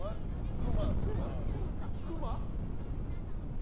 熊？